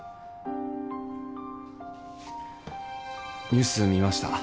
ニュース見ました。